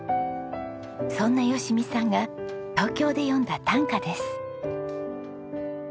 そんな吉美さんが東京で詠んだ短歌です。